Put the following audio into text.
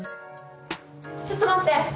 ちょっと待って！